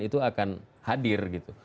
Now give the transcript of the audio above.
itu akan hadir gitu